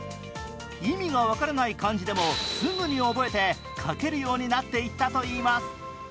意味が分からない漢字でもすぐに覚えて書けるようになっていったといいます。